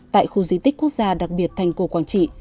tại khu di tích quốc gia đặc biệt thành cổ quảng trị